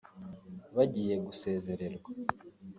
bagiye gusezererwa